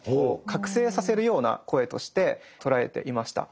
覚醒させるような声として捉えていました。